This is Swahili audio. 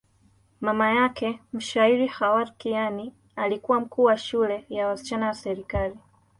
Mama yake, mshairi Khawar Kiani, alikuwa mkuu wa shule ya wasichana ya serikali.